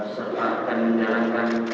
serta akan menjalankan